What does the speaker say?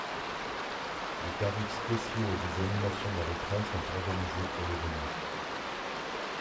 Des tarifs spéciaux et des animations dans les trains sont organisés pour l'événement.